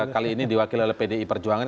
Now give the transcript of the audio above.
kali ini diwakili oleh pdi perjuangan